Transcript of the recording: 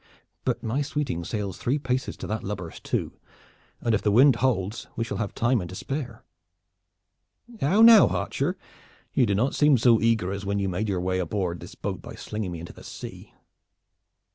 But my sweeting sails three paces to that lubber's two, and if the wind holds we shall have time and to spare. How now, archer? You do not seem so eager as when you made your way aboard this boat by slinging me into the sea."